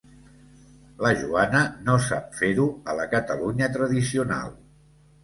La Joana no sap fer-ho a la Catalunya tradicional.